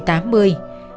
và người chị gái quá trời